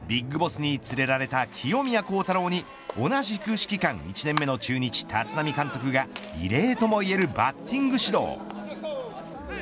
ＢＩＧＢＯＳＳに連れられた清宮幸太郎に同じく指揮官１年目の中日、立浪監督が異例ともいえるバッティング指導。